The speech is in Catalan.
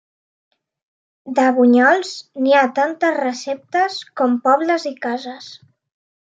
De bunyols n’hi ha tantes receptes com pobles i cases.